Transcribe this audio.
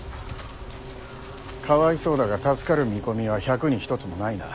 かわいそうだが助かる見込みは百に一つもないな。